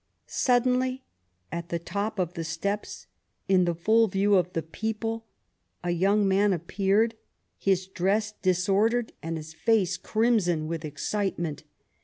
Suddenly, at the top of the steps in the full view of the people, a young man appeared, his dress disordered and his face crimson with excitement.